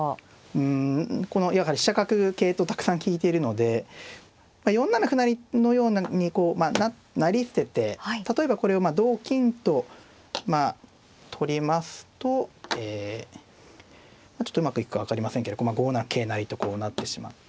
うんこのやはり飛車角桂とたくさん利いているので４七歩成のようにこう成り捨てて例えばこれを同金と取りますとえちょっとうまくいくか分かりませんけど５七桂成とこう成ってしまって。